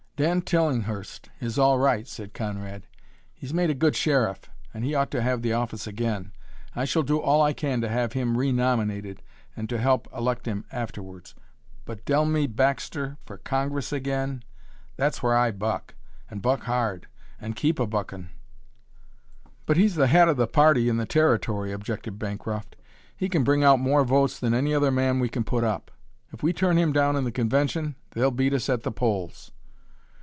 "Dan Tillinghurst is all right," said Conrad. "He's made a good sheriff and he ought to have the office again. I shall do all I can to have him renominated and to help elect him afterwards. But Dellmey Baxter for Congress again! That's where I buck, and buck hard, and keep a buckin'." "But he's the head of the party in the Territory," objected Bancroft. "He can bring out more votes than any other man we can put up. If we turn him down in the convention they'll beat us at the polls."